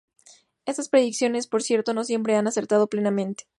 Estas predicciones por cierto no siempre han acertado plenamente.